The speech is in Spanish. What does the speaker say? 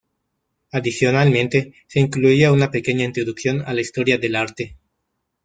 Adicionalmente, se incluía una pequeña introducción a la historia del Arte.